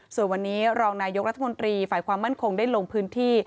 ส่วนวันนี้รองนายกรัฐมนตรีฝ่ายความมั่นคงได้ลงพื้นที่